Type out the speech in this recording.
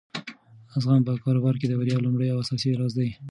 زغم په کاروبار کې د بریا لومړی او اساسي راز دی.